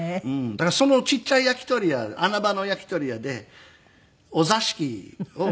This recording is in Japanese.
だからそのちっちゃい焼き鳥屋穴場の焼き鳥屋でお座敷を定休